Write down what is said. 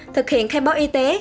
thực hiện khai báo y tế